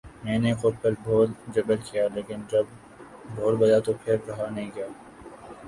میں نے خود پر بہت جبر کیا لیکن جب ڈھول بجا تو پھر رہا نہیں گیا